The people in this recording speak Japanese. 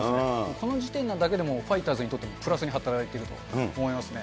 この時点なだけでも、ファイターズにとってもプラスに働いてると思いますね。